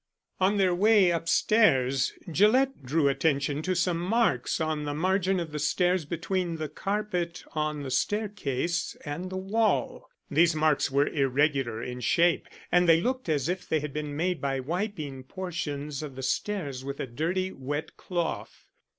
On their way upstairs Gillett drew attention to some marks on the margin of the stairs between the carpet on the staircase and the wall. These marks were irregular in shape, and they looked as if they had been made by wiping portions of the stairs with a dirty wet cloth.